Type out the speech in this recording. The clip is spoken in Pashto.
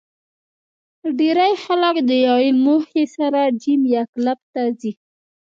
ډېری خلک د یوې موخې سره جېم یا کلب ته ځي